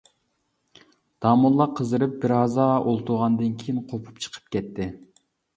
داموللا قىزىرىپ بىر ھازا ئولتۇرغاندىن كېيىن، قوپۇپ چىقىپ كەتتى.